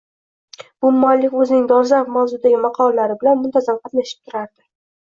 bu muallif o‘zining dolzarb mavzudagi maqolalari bilan muntazam qatnashib turardi.